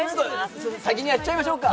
先にやっちゃいましょうか。